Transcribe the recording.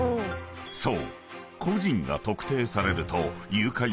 ［そう］